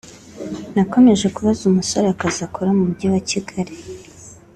nakomeje kubaza umusore akazi akora mu mujyi wa Kigali